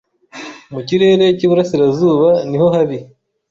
Mu kirere cy'iburasirazuba niho habi